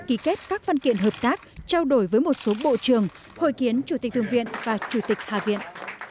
ký kết các văn kiện hợp tác trao đổi với một số bộ trưởng hội kiến chủ tịch thượng viện và chủ tịch hạ viện